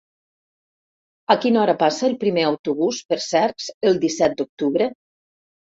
A quina hora passa el primer autobús per Cercs el disset d'octubre?